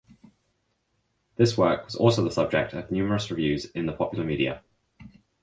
This work was also the subject of numerous reviews in the popular media.